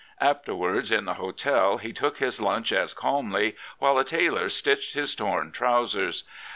Afterwards in the hotel he took his lunch as calmly while a tailor stitched his torn trousers."